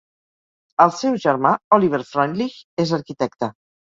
El seu germà, Oliver Freundlich, és arquitecte.